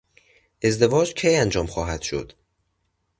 ازدواج کی انجام خواهد شد؟